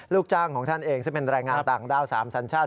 ลูกจ้างของท่านเองซึ่งเป็นแรงงานต่างด้าว๓สัญชาติ